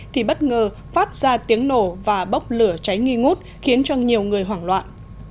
thì bất ngờ phát ra tiếng nổ và bốc lửa cháy nghi ngút khiến cho nhiều người hoảng loạn